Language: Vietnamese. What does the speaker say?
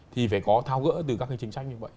thì phải có thao gỡ từ các cái chính sách như vậy